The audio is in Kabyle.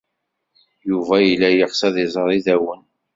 Yuba yella yeɣs ad iẓer iddawen.